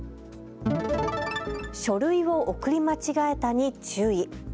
書類を送り間違えたに注意。